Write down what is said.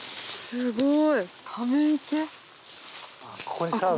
すごい。